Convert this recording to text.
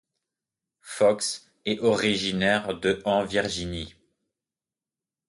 Fox est originaire de en Virginie.